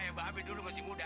kayak bape dulu masih muda